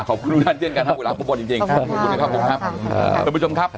ขอบคุณอาจารย์เจ้ากันฮะเวลาผู้บ่นจริงขอบคุณครับ